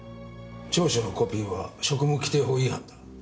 調書のコピーは職務規定法違反だ。